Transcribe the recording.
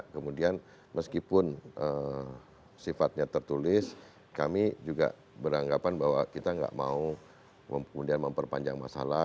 kemudian meskipun sifatnya tertulis kami juga beranggapan bahwa kita tidak mau kemudian memperpanjang masalah